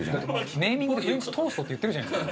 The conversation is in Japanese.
ネーミングでフレンチトーストって言ってるじゃないですか。